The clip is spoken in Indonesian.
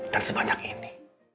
dan sebanyak ini